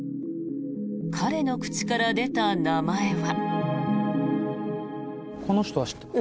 彼の口から出た名前は。